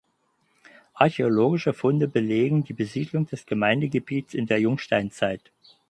Archäologische Funde belegen die Besiedlung des Gemeindegebietes in der Jungsteinzeit.